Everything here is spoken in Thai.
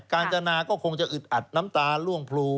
การจนาก็คงจะอึดอัดน้ำตาล่วงพลู